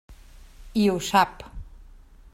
I ho sap.